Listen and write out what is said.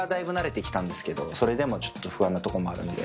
それでもちょっと不安なとこもあるんで。